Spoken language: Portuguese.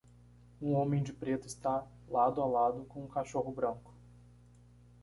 Um homem de preto está lado a lado com um cachorro branco.